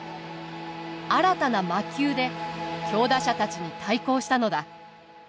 新たな魔球で強打者たちに対抗したのだ。